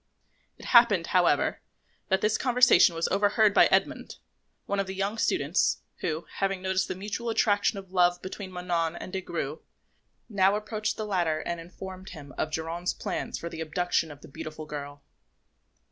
It happened, however, that this conversation was overheard by Edmond, one of the young students, who, having noticed the mutual attraction of love between Manon and Des Grieux, now approached the latter and informed him of Geronte's plan for the abduction of the beautiful girl.